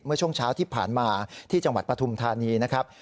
เมื่อช่วงเช้าที่ผ่านมาที่จังหวัดปฐุมธานีนะครับ